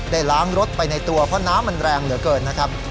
ล้างรถไปในตัวเพราะน้ำมันแรงเหลือเกินนะครับ